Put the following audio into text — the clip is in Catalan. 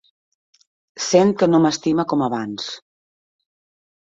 Sent que no m'estima com abans.